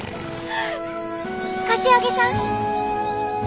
柏木さん！